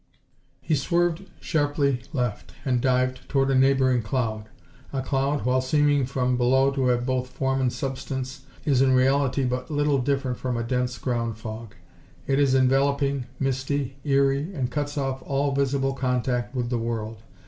He swerved sharply left and dived toward a neighboring cloud. A cloud, while seeming from below to have both form and substance, is in reality but little different from a dense ground fog. It is enveloping, misty, eerie, and cuts off all visible contact with the world.